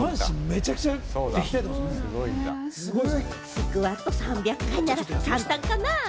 スクワット３００回なら簡単かな？